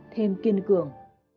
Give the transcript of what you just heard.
thêm kiên cường